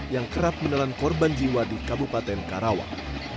yang kerap menelan korban jiwa di kabupaten karawang